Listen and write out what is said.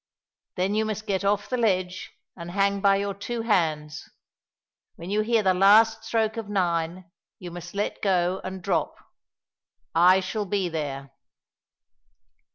Then you must get off the ledge and hang by your two hands. When you hear the last stroke of nine, you must let go and drop. I shall be there."